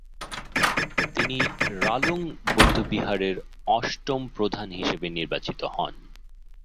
তিনি রালুং বৌদ্ধবিহারের অষ্টম প্রধান হিসেবে নির্বাচিত হন।